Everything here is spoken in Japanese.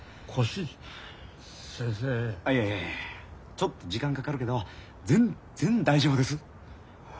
ちょっと時間かかるけど全然大丈夫です。